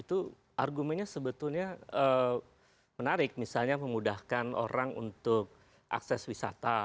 itu argumennya sebetulnya menarik misalnya memudahkan orang untuk akses wisata